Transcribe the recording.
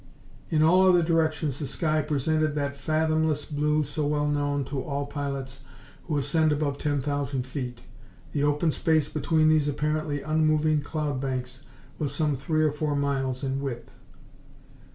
In all other directions the sky presented that fathomless blue so well known to all pilots who ascend above ten thousand feet. The open space between these apparently unmoving cloud banks was some three or four miles in width.